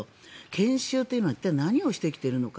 研修というのは何をしてきているのか。